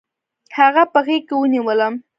هغه په غېږ کې ونیولم.